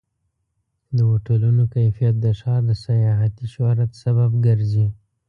د هوټلونو کیفیت د ښار د سیاحتي شهرت سبب ګرځي.